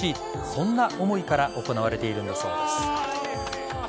そんな思いから行われているんだそうです。